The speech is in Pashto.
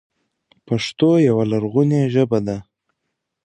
پښتو يوه لرغونې ژبه ده،